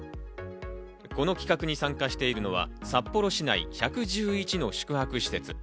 この企画に参加しているのは札幌市内１１１の宿泊施設。